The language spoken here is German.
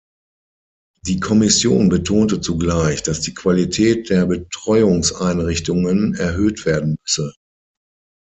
Die Kommission betonte zugleich, dass die Qualität der Betreuungseinrichtungen erhöht werden müsse.